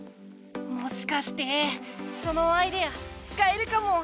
もしかしてそのアイデアつかえるかも。